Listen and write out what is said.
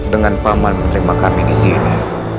dengan pak man menerima kami di sini